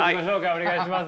お願いします。